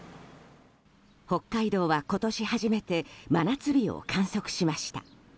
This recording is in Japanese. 北海道は今年初めて真夏日を観測しました。